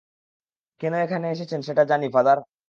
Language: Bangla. কেন এখানে এসেছেন সেটা জানি, ফাদার।